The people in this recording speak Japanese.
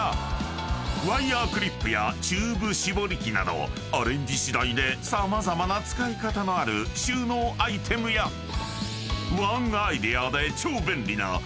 ［ワイヤークリップやチューブ絞り器などアレンジしだいで様々な使い方のある収納アイテムやワンアイデアで超便利な使える小物類］